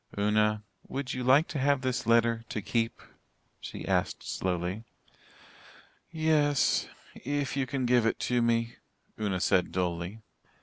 "Una, would you like to have this letter to keep?" she asked slowly. "Yes if you can give it to me," Una said dully.